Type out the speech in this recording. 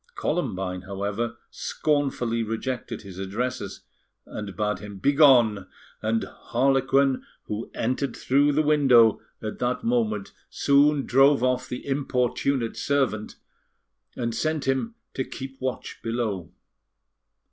Columbine, however, scornfully rejected his addresses, and bade him begone, and Harlequin, who entered through the window at that moment, soon drove off the importunate servant, and sent him to keep watch below.